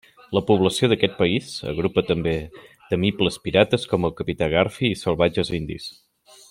La població d'aquest país agrupa també temibles pirates com el Capità Garfi i salvatges indis.